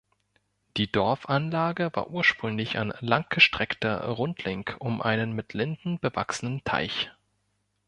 Die Dorfanlage war ursprünglich ein langgestreckter Rundling um einen mit Linden bewachsenen Teich.